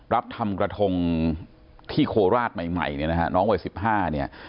รับทำกระทงที่โคราชใหม่เนี้ยนะฮะน้องวัยสิบห้าเนี้ย